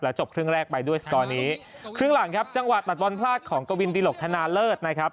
จบครึ่งแรกไปด้วยสกอร์นี้ครึ่งหลังครับจังหวะตัดบอลพลาดของกวินดิหลกธนาเลิศนะครับ